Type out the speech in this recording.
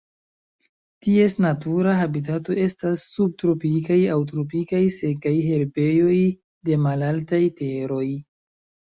Ties natura habitato estas subtropikaj aŭ tropikaj sekaj herbejoj de malaltaj teroj.